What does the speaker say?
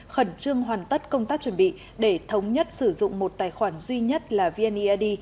khẩn trương hoàn tất công tác chuẩn bị để thống nhất sử dụng một tài khoản duy nhất là vneid